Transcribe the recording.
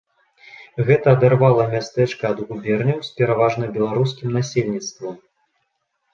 Гэта адарвала мястэчка ад губерняў з пераважна беларускім насельніцтвам.